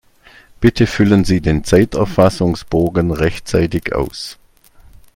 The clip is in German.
Bitte füllen Sie den Zeiterfassungsbogen rechtzeitig aus!